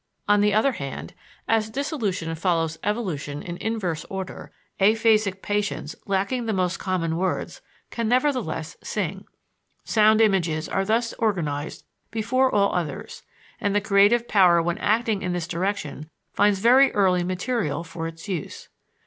On the other hand, as dissolution follows evolution in inverse order, aphasic patients lacking the most common words, can nevertheless sing. Sound images are thus organized before all others, and the creative power when acting in this direction finds very early material for its use.